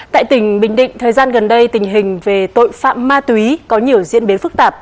tại tỉnh bình định thời gian gần đây tình hình về tội phạm ma túy có nhiều diễn biến phức tạp